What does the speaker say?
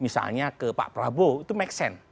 misalnya ke pak prabowo itu make sense